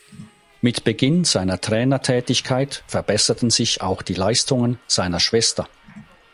Mit Beginn seiner Trainertätigkeit verbesserten sich auch die Leistungen seiner Schwester.